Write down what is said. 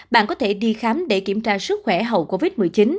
bạn có thể đi khám để kiểm tra sức khỏe hậu covid một mươi chín